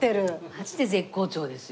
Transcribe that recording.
マジで絶好調ですよ。